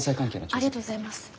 ありがとうございます。